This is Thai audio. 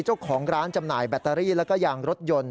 เจ้าของร้านจำหน่ายแบตเตอรี่แล้วก็ยางรถยนต์